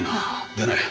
出ない。